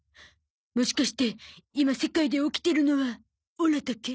もしかして今世界で起きてるのはオラだけ？